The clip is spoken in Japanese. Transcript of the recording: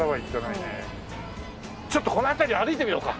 ちょっとこの辺り歩いてみようか。